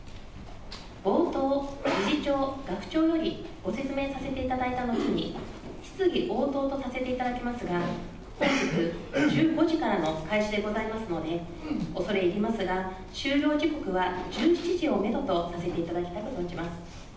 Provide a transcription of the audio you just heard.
冒頭、理事長、学長よりご説明させていただいた後に、質疑応答とさせていただきますが、本日１５時からの開始でございますので、恐れ入りますが、終了時刻は１７時をメドとさせていただきます。